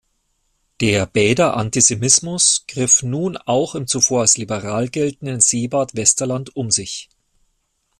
Der Bäder-Antisemitismus griff nun auch im zuvor als liberal geltenden Seebad Westerland um sich.